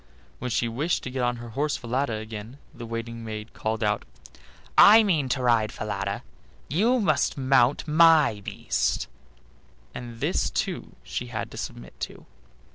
When she wished to get on her horse Falada again, the waiting maid called out: "I mean to ride Falada: you must mount my beast"; and this too she had to submit to.